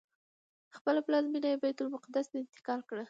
خپله پلازمینه یې بیت المقدس ته انتقال کړه.